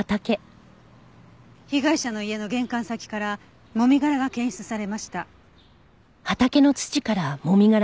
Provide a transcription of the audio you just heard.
被害者の家の玄関先からもみ殻が検出されました。